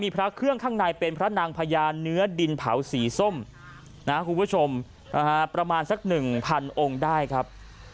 พระเครื่องข้างในเป็นพระนางพญาเนื้อดินเผาสีส้มนะคุณผู้ชมประมาณสัก๑๐๐องค์ได้ครับ